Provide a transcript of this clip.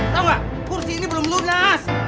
tau gak kursi ini belum lunas